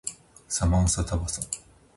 サマンサタバサ